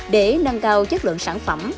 để nâng cao chất lượng sản phẩm